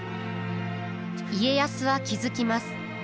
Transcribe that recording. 家康は気付きます。